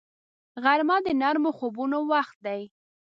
غرمه د نرمو خوبونو وخت دی